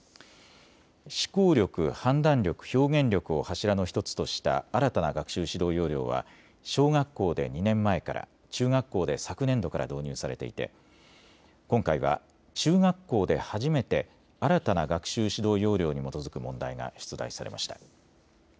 思考力・判断力・表現力を柱の１つとした新たな学習指導要領は小学校で２年前から、中学校で昨年度から導入されていて今回は中学校で初めて新たな学習指導要領に基づく問題が出題されました。